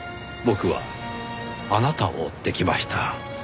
僕はあなたを追って来ました。